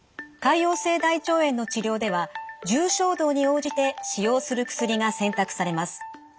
潰瘍性大腸炎の治療では重症度に応じて使用する薬が選択されます。